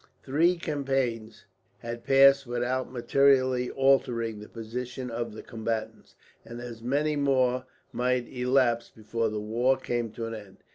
Three campaigns had passed without materially altering the position of the combatants, and as many more might elapse before the war came to an end.